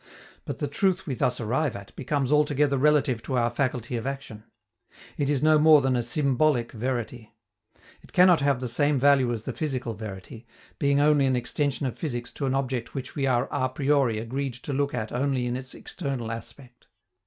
But the truth we thus arrive at becomes altogether relative to our faculty of action. It is no more than a symbolic verity. It cannot have the same value as the physical verity, being only an extension of physics to an object which we are a priori agreed to look at only in its external aspect.